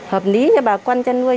hợp lý cho bà con chăn nuôi